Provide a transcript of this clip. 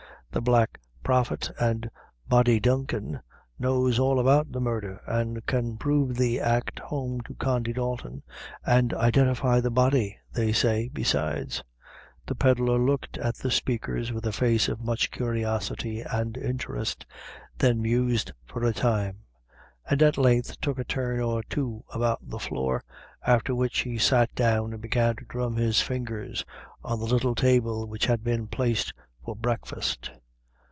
The Black Prophet and Body Duncan knows all about the murdher, an' can prove the act home to Condy Dalton, and identify the body, they say, besides." The pedlar looked at the speakers with a face of much curiosity and interest, then mused for a time, and at length took a turn or two about the floor, after which he sat down and began to drum his fingers on the little table which had been placed for breakfast.